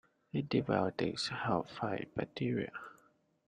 Antibiotics help fight bacteria.